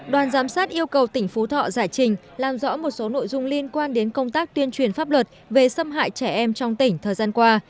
đoàn giám sát yêu cầu tỉnh phú thọ giải trình làm rõ một số nội dung liên quan đến công tác tuyên truyền pháp luật về xâm hại trẻ em trong tỉnh thời gian qua